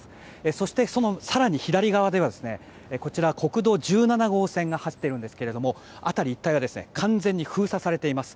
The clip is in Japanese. そして、その更に左側では国道１７号線が走っているんですけれども辺り一帯は完全に封鎖されています。